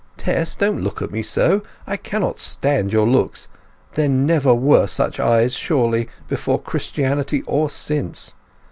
Tess—don't look at me so—I cannot stand your looks! There never were such eyes, surely, before Christianity or since!